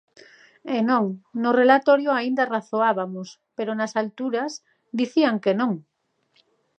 E non, no relatorio aínda razoabamos pero nas alturas dicían que non.